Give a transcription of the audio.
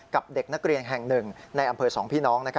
กับเด็กนักเรียนแห่งหนึ่งในอำเภอสพ